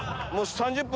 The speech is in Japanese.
３０分？